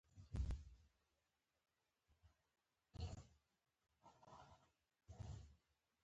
داسې کالي ورته ګنډل شي چې د اور په مقابل کې مقاوم وي.